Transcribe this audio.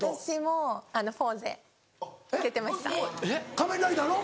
仮面ライダーの？